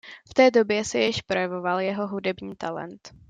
V té době se již projevoval jeho hudební talent.